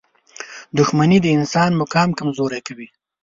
• دښمني د انسان مقام کمزوری کوي.